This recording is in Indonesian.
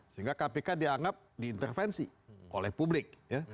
sehingga kpk dianggap diintervensi oleh publik